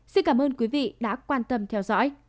xin cảm ơn quý vị đã quan tâm theo dõi